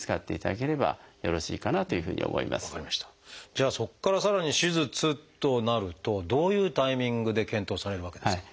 じゃあそこからさらに手術となるとどういうタイミングで検討されるわけですか？